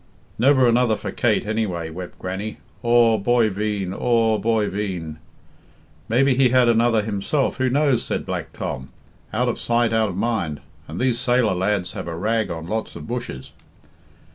"Never another for Kate, anyway," wept Grannie. "Aw boy veen, aw boy veen!" "Maybe he had another himself, who knows?" said Black Tom. "Out of sight out of mind, and these sailor lads have a rag on lots of bushes."